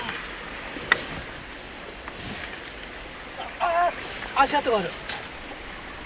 あっ足跡がある！